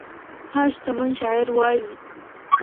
ها شتمن شاعر وايي